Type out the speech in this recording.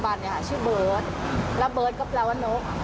วันนี้ชื่อเบิร์ดแล้วเบิร์ดก็แปลว่านก